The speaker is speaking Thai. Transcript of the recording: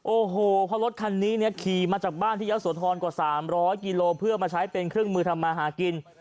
โอ้โหเพราะรถคันนี้เนี่ยขี่มาจากบ้านที่ยะโสธรกว่า๓๐๐กิโลเพื่อมาใช้เป็นเครื่องมือทำมาหากิน